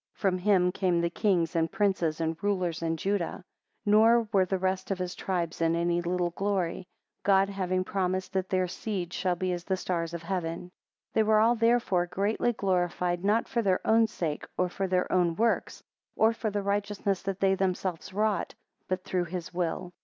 17 From him came the kings, and princes, and rulers in Judah. 18 Nor were the rest of his tribes in any little glory: God having promised that their seed shall be as the stars of heaven. 19 They were all therefore greatly glorified, not for their own sake, or for their own works, or for the righteousness that they themselves wrought, but through his will.